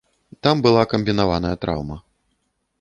Там была камбінаваная траўма.